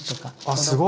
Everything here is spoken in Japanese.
あすごい！